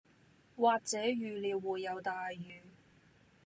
或者預料會有大雨